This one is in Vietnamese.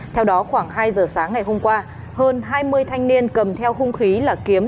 theo đó khoảng hai giờ sáng ngày hôm qua hơn hai mươi thanh niên cầm theo khung khí là kiếm